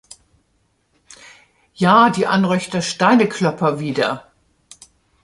Ja, die Anröchter Steineklopper wieder!